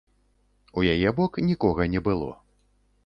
У яе бок нікога не было.